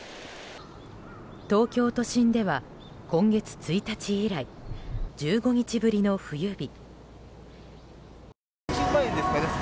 東京都心では今月１日以来１５日ぶりの冬日。